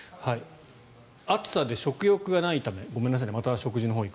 暑さで食欲がないためごめんなさいねまた食事のほうに。